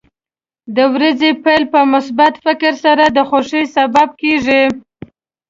د ورځې پیل په مثبت فکر سره د خوښۍ سبب کېږي.